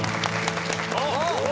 あっ。